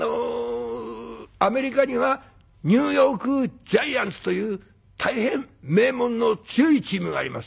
アメリカにはニューヨーク・ジャイアンツという大変名門の強いチームがあります」。